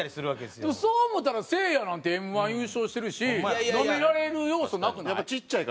でもそう思うたらせいやなんてＭ−１優勝してるしナメられる要素なくない？